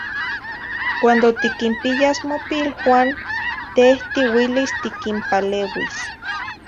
Cuando tiquinpiyas mopiluan, teh tiuilis tiquimpaleuis.